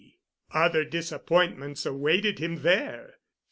Other disappointments awaited him there.